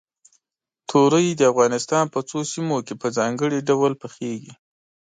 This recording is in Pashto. تورۍ د افغانستان په څو سیمو کې په ځانګړي ډول پخېږي.